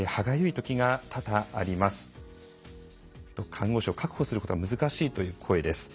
看護師を確保することが難しいという声です。